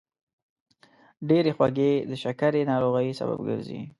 ډېرې خوږې د شکرې ناروغۍ سبب ګرځي.